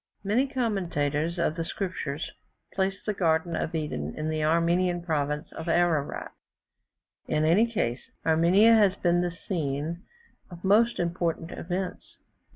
Many commentators of the Scriptures place the garden of Eden in the Armenian province of Ararat. In any case, Armenia has been the scene of most important events.